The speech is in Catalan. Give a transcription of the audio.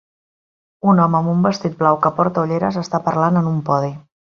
Un home amb un vestit blau que porta ulleres està parlant en un podi.